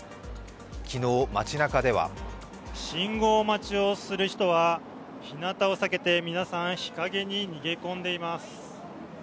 昨日、街なかでは信号待ちをする人はひなたを避けて皆さん、日陰に逃げ込んでいます。